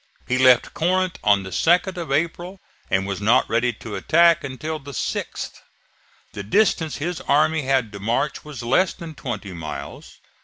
He left Corinth on the 2d of April and was not ready to attack until the 6th. The distance his army had to march was less than twenty miles.